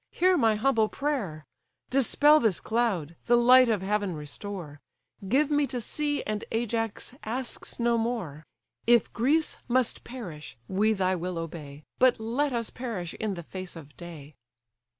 hear my humble prayer: Dispel this cloud, the light of heaven restore; Give me to see, and Ajax asks no more: If Greece must perish, we thy will obey, But let us perish in the face of day!"